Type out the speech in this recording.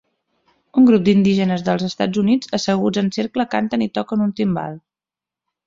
Un grup d'indígenes dels Estats Units asseguts en cercle canten i toquen un timbal.